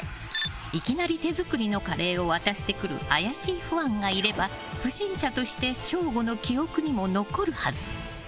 いきなり手作りのカレーを渡してくる怪しいファンがいれば不審者として省吾の記憶にも残るはず。